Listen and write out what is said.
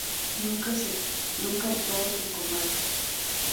Nunca entró en combate.